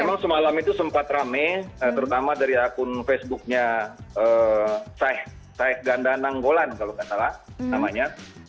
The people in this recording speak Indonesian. memang semalam itu sempat rame terutama dari akun facebooknya ganda nanggolan kalau nggak salah namanya